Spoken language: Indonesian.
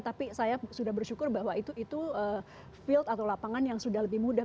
tapi saya sudah bersyukur bahwa itu field atau lapangan yang sudah lebih mudah